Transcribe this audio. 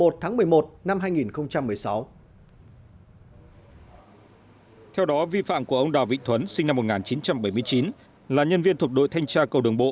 theo đó vi phạm của ông đào vĩnh thuấn sinh năm một nghìn chín trăm bảy mươi chín là nhân viên thuộc đội thanh tra cầu đường bộ